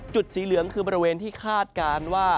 สีเหลืองคือบริเวณที่คาดการณ์ว่า